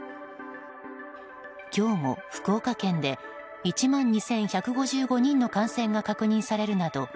今日も福岡県で１万２１５５人の感染が確認されるなど